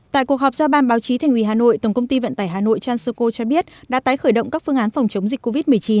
tại cuộc họp do ban báo chí thành ủy hà nội tổng công ty vận tải hà nội transoco cho biết đã tái khởi động các phương án phòng chống dịch covid một mươi chín